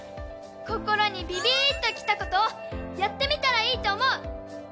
心にビビっときたことをやってみたらいいと思う！